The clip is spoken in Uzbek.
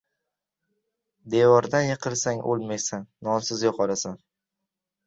• Devordan yiqilsang ― o‘lmaysan, nonsiz ― yo‘qolasan.